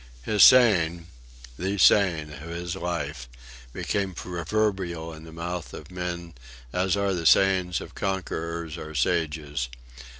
His saying the saying of his life became proverbial in the mouth of men as are the sayings of conquerors or sages.